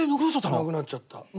なくなっちゃったの！？